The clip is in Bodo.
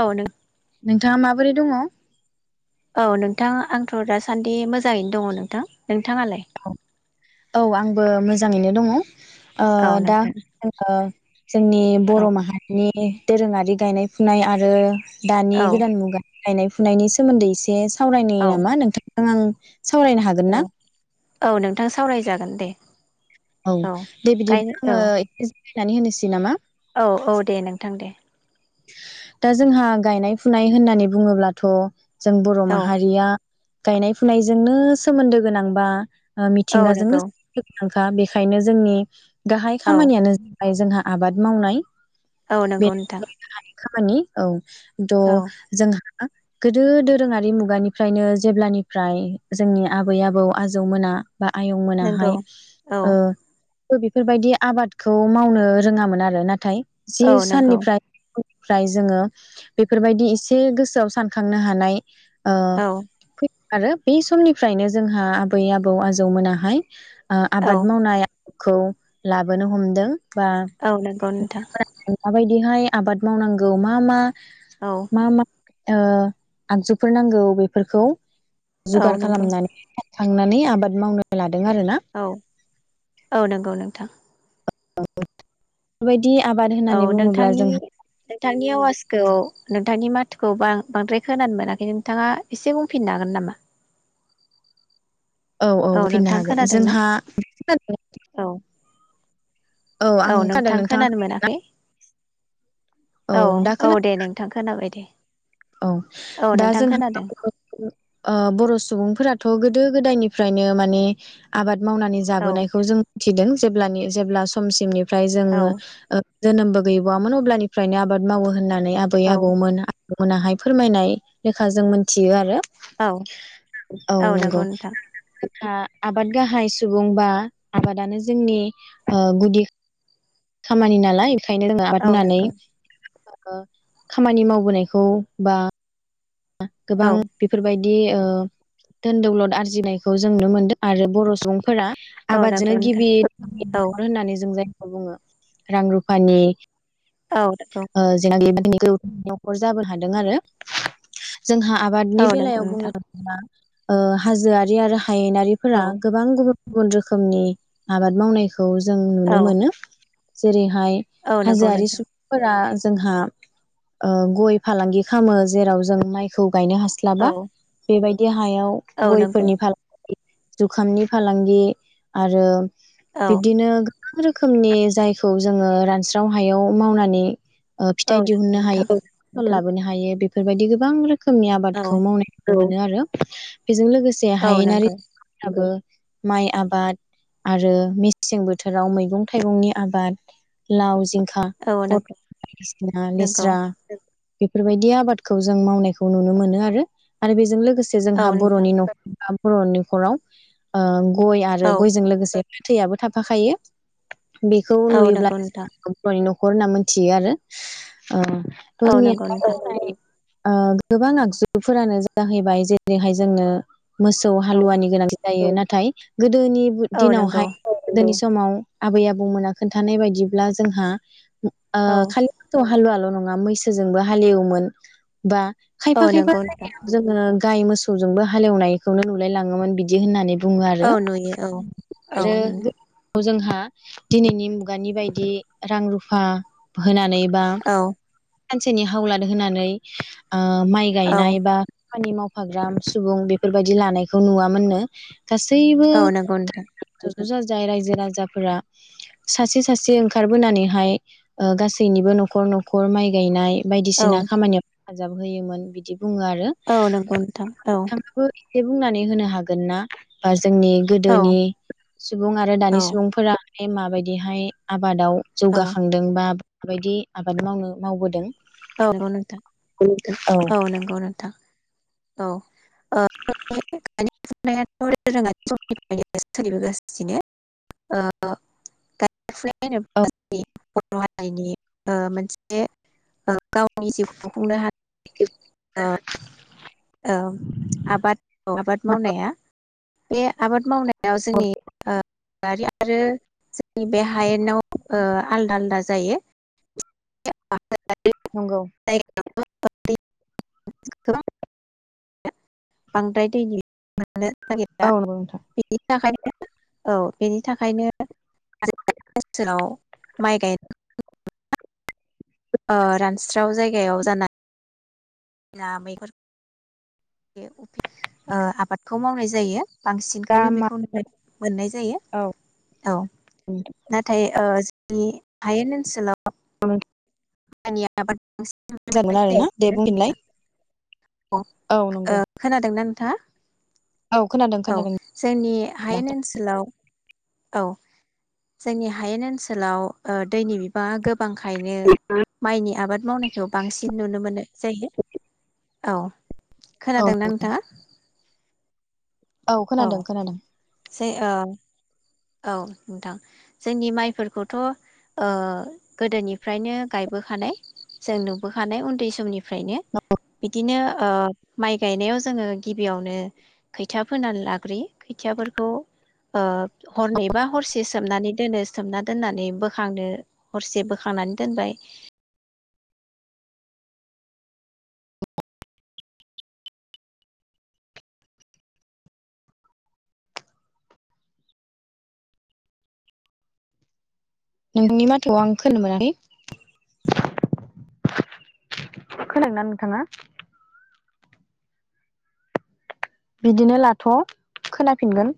औ नों नोंथाङा माबोरै दङ? औ नोंथां आंथ' दासान्दि मोजाङैनो दङ नोंथां नों औ आंबो मोज मोजाङैनो दङ। ओ औ दा नोंथां जोङो जोंनि औ बर' माहारिनि दोरोङारि गायनाय फुनाय आरो दानि औ गोदान मुगा गायनाय फुनायनि सोमोन्दै एसे सावरायनाय औ नामा नोंथां? ओं आं सावरायनो हागोन ना? औ औ नोंथां सावरायजागोन दे औ दे गायनो बिदिब्ला आङो नानै होननोसै नामा? औ औ दे नोंथां दे दा जोंहा गायनाय फुनाय होननानै बुङोब्लाथ' जों बर' औ माहारिया गायनाय फुनायजोंनो सोमोन्दो गोनांबा ओ औ मिथिंगाजोंनो नंगौ दा बेखायनो जोंनि गाहाय औ खामानियानो ज बाय जोंहा आबाद मावनाय औ नंगौ नोंथां हानि खामानि औ द' औ जोंहा गोदो दोरोङारि मुगानिफ्रायनो जेब्लानिफ्राय जोंनि आबै आबौ आजौ मोना बा नंगौ आयंमोनाहाय औ ओ बिफोरबायदि आबादखौ मावनो रोङामोन आरो नाथाय औ जि नंगौ साननिफ्राय निफ्राय जोङो बेफोरबायदि इसे गोसोआव सानखांनो हानाय औ आरो बे समनिफ्रायनो जोंहा आबै आबौ आजौ मोनाहाय ओ औ आबाद मावनाया खौ लाबोनो हमदों बा औ नंगौ नोंथां [unintelligible] माबाय बिहाय आबाद मावनांगौ मा मा औ मा मा ओ आगजुफोर नांगौ बेफोरखौ औ जुगार नंगौ खालामनानै थांनानै आबाद मावनो लाद औ औ नोंगौ नोंथां [unintelligible] औ होननानै बुङोब्ला नोंथांनि जोंहा नोंथांनि आवाजखौ नों नोंथांनि माथोखौ बां-बांद्राय खोनानो मोनाखै नोंथाङा इसे बुंफिननो हागोन नामा? औ बुंफिननो नोंथां हागोन खोनादोंना जोंहा औ औ आं खोनादों नोंथां नोंथाङा खोनानो मोनाखै औ दा औ खोना दे नोंथां खोनाबाय दे औ औ दा नोंथां जोंहा खोनादों [unintelligible] ओ बर' सुबुंफोराथ' थ' गोदो गोदायनिफ्रायनो माने आबाद मावनानै औ जाबोनायखौ जों मिथिदों जेब्लानि जेब्ला समसिमनि ओमफ्राय जोङो औ ओ जोनोमबो गैबावोन अब्लानिफ्रायनो आबाद मावो होननानै नानै आबै औ आबौमोन हा मोनाहाय फोरमायनाय लेखा जों मोनथियो आरो औ औ नंगौ नोंथां आ आबाद गाहाय सुबुं बा आबादानो जोंनि ओ गुदि खामानि नालाय ओंखायनो जोङो आबाद औ मावनानै नंगौ ओ खामानि मावबोनायखौ बा [unintelligible] गोबां औ बेफोरबायदि दि ओ धोनदौलद आरजिनायखौ जों नुनो मोनदों आरो बर' सुबुं फोर औ नंगौ आबादजोंनो नोंथां गिबि औ [unintelligible] जों जायो। बुङो रां रुफानि औ नंगौ ओ [unintelligible] [unintelligible] न'खर जाबो हादों आरो जोंहा आबादनि औ नंगौ बेलायाव बुंनो नोंथां थाङोबा ओ हाजोआरि आरो हायेनारिफोरा औ गोबां गुबुन गुबुन रोखोमनि आबाद मावनायखौ खौ जों नुनो औ मोनो। जेरै हाय औ नंगौ हाजोआरि नोंथां सुबुंफोरा जोंहा ओ गय फालांगि खालामो जेराव जों मायखौ गायनो हास्लाबा औ बेबायदि हायाव औ नंगौ गयफोरनि फालांगि जुखामनि फालांगि आरो औ बिदिनो गोबां रोखोमनि जायखौ जोङो रानस्राव हायाव मावनानै ओ औ फिथाइ नंगौ दिहुननो नोंथां हायो। हुननो हायो बेफोरबायदि गोबां रो खोमनि औ आबादखौ मावनायगौ नो आरो बेजों लोगोसे औ नंगौ हायेनारिफोराबो माइ आबाद आरो मेसें बोथोराव मैगं-थाइगंनि आबाद लाव जिं खा औ फथ नंगौ बायदिसिना नंगौ लेस्रा बेफोरबायदि आबादखौ जों मावनायखौ नुनो मोन आरो आरो बेजों लोगोसे औ जोंहा नोंथां बर'नि न'खर बा बर'नि न'खराव ओ, गय आरो औ गयजों लोगोसे फाथैयाबो थाफाखायो बेखौ औ नुयोब्ला नंगौ नोंथां बर'नि न' न'खर होनना मोनथियो आरो औ नंगौ नोंथां [unintelligible] ओ गोबां आगजुफोरानो जाहैबाय जेरैहाय जोङो, मोसौ औ हालुवानि गोनांथि जायो नाथ नाथाय गोद गोदोनि औ नंगौ दिनावहाय समाव आबै आबौमोना खोन्थानाय बायदिब्ला जोंहा ओ औ खालि मोस हालुआल' दं। मा मैसोजोंबो हालेवहोमोन। बा। खायफा औ खायफा नंगौ नोंथां जायगायाव जोङो गाय मोसौजोंबो हालेवनायखौनो नुलाय लाङोमोन बिदि होननानै। बुङो औ आरो नुयो औ औ नों ओ जोंहा दिनैनि मुगानि बायदि रां रुफा होनानै बा औ सानसिनि हावलाद होनानै [unintelligible] ओ माइ औ गायनाय बा खामानि मावफाग्रा सुबुं बेफोरबायदि लानायखौ नुवामोननो। गासैबो। औ नंगौ नोंथां ज'ज जाजाय रायजो राजाफोरा सासे सासे ओंखारबोनानैहाय ओ गासैनिबो न'खर न'खर माइ गायनाय औ बायदिसिना खामानियाव हेफाजाब होयोमोन बिदि। बुङो आरो औ नंगौ नोंथां औ बिथांखो बुंनानै होनो हागोन ना बा जोंनि औ गोदोनि सुबुं आरो दानि औ सुबुंफोरा बे माबायदिहाय आबादाव औ जौगाखांदोंबा माबायदि आबाद मावनो मावबोदों? औ। औ औ नंगौ नोंथां। औ। [unintelligible] [unintelligible] [unintelligible] [unintelligible] गावनि जिउखौ खुंनो हानाय ओ ओ आबाद औ आबाद मावनाया। बे आबाद मावनाय याव जोंनि ओ बारि आरो जोंनि बे हायेनाव ओ आलदा आलदा जायो [unintelligible] नंगौ [unintelligible] [unintelligible] औ नंगौ नोंथां बिनि थाखायनो औ बेनि थाखायनो [unintelligible] बोसोराव माइ गाय ओ रानस्राव जायगायाव जानाय ना मैफोर यो ओ आबादखौ मावनाय जायो। दा बांसिनखौनो मा बेखौ नुनाय मोननाय जायो औ औ नाथाय ओ बे हायेन ओनसोलाव [inaudible] मायनि आबाद बांसिन मोजांमोन आरोना दे बुंफिनलाय। अ औ नंगौ ओ खोनादों ना नों थाङा औ खोनादों औ खोनादों जोंनि दा हायेन ओनसोलाव औ जोंनि हायेन ओनसोलाव ओ दैनि बिबाङा गोब गोबांखायनो माइनि आबाद मावनायखौ बांसिन नुनो मोनो जायो। औ औ खोनादोंना नोंथाङा? औ खोनादों खोनादों ओइ ओ औ नोंथां जोंनि माइफोरखौथ' ओ गोदोनिफ्रायनो गायबोखानाय जों नुबोखानाय उन्दै समनि फ्रायनो बिदिनो ओ माइ गायनायाव जोङो गिबियावनो खैथा फोनानै लाग्रोयो खोथियाफोरखौ ओ हरनै बा हरसे सोमनानै दोनो सोमना दोननानै बोखांनो हरसे बोखांनानै दोनबाय। नोंनि माथोआव आं खोनानानै [inaudible] खोनादों ना नोंथाङा? बिदिनो लाथ' खोनाफिनगोन।